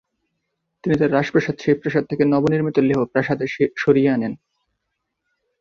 তিনি তার রাজপ্রাসাদ শে প্রাসাদ থেকে নবনির্মিত লেহ প্রাসাদে সরিয়ে আনেন।